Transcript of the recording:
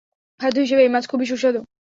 খাদ্য হিসেবে এই মাছ খুবই সুস্বাদু।